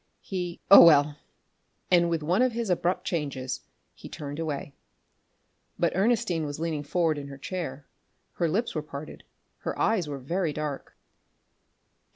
He oh, well!" and with one of his abrupt changes, he turned away. But Ernestine was leaning forward in her chair. Her lips were parted. Her eyes were very dark.